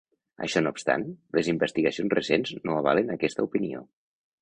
Això no obstant, les investigacions recents no avalen aquesta opinió.